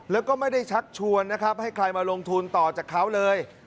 แล้วก็ไม่ได้ชักชวนนะครับให้ใครมาลงทุนต่อจากเขาเลย